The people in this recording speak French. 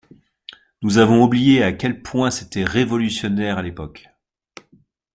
Nous avons oublié à quel point c'était révolutionnaire à l'époque.